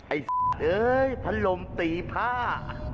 ไอ้พันลมตีผ้า